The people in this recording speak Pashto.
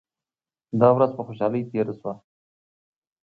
دا ورځ په خوشالۍ تیره شوه.